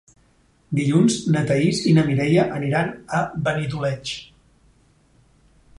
Dilluns na Thaís i na Mireia aniran a Benidoleig.